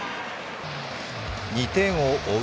２点を追う